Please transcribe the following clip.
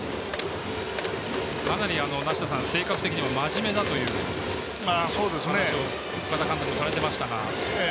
かなり、梨田さん性格的にも真面目だという話を岡田監督もされていましたが。